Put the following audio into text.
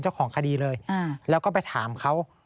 เจ้าของคดีเลยแล้วก็ไปถามเขา